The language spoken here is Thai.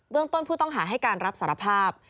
เรื่องต้นผู้ต้องหาให้การรับสารภาพ